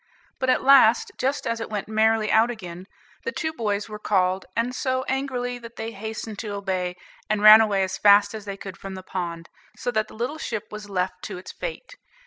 But at last, just as it went merrily out again, the two boys were called, and so angrily, that they hastened to obey, and ran away as fast as they could from the pond, so that the little ship was left to its fate.